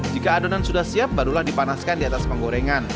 jika adonan sudah siap barulah dipanaskan di atas penggorengan